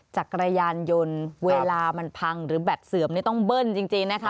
จักรยานยนต์เวลามันพังหรือแบตเสื่อมนี่ต้องเบิ้ลจริงนะคะ